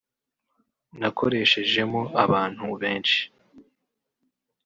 nakoreshejemo abantu benshi